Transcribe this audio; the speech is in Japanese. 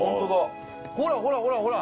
ほらほらほらほら。